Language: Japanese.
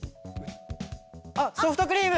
あっソフトクリーム！